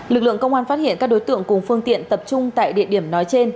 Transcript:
lực lượng công an phát hiện các đối tượng cùng phương tiện tập trung tại địa điểm nói trên